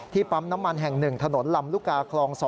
ปั๊มน้ำมันแห่ง๑ถนนลำลูกกาคลอง๒